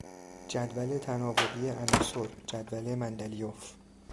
جدول تناوبی عناصر، جدول مندلیف